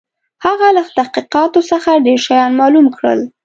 هغه له تحقیقاتو څخه ډېر شيان معلوم کړل.